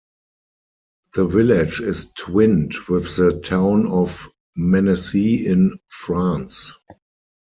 The village is twinned with the town of Mennecy in France.